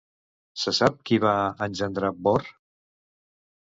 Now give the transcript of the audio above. Se sap qui va engendrar Borr?